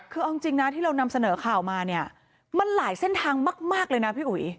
คือเอาจริงนะที่เรานำเสนอข่าวมาเนี่ยมันหลายเส้นทางมากเลยนะพี่อุ๋ย